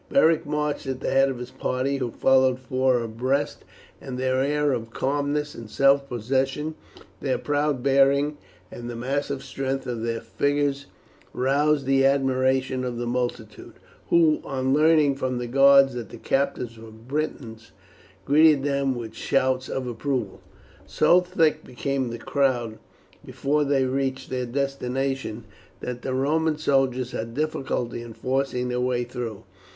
Beric marched at the head of his party, who followed four abreast, and their air of calmness and self possession, their proud bearing, and the massive strength of their figures roused the admiration of the multitude, who, on learning from the guards that the captives were Britons, greeted them with shouts of approval. So thick became the crowd before they reached their destination, that the Roman soldiers had difficulty in forcing their way through.